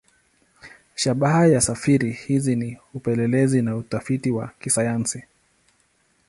Shabaha ya safari hizi ni upelelezi na utafiti wa kisayansi.